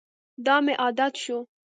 دا مې عادت شو.